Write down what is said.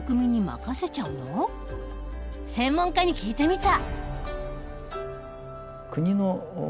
専門家に聞いてみた。